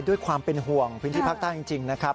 ด้วยความเป็นห่วงพื้นที่ภาคใต้จริงนะครับ